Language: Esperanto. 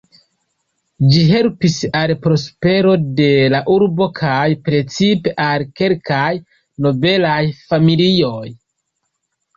Ĝi helpis al prospero de la urbo kaj precipe al kelkaj nobelaj familioj.